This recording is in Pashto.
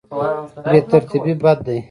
بې ترتیبي بد دی.